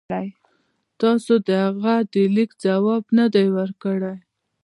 تاسي د هغه د لیک جواب نه دی ورکړی.